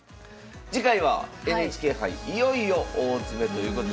次回は「ＮＨＫ杯いよいよ大詰め！」ということで。